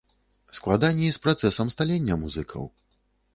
Складаней з працэсам сталення музыкаў.